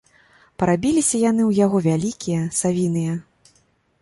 Парабіліся яны ў яго вялікія, савіныя.